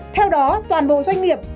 theo đó toàn bộ doanh nghiệp